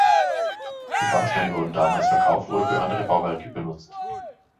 Die Bausteine wurden damals verkauft oder für andere Bauwerke benutzt.